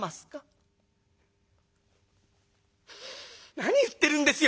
「何言ってるんですよ。